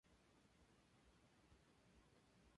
Pero a la mañana, observaron que el madero había desaparecido.